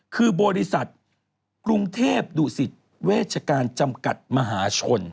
คือบริษัทกรุงเทพดุสิตเวชการจำกัดมหาชน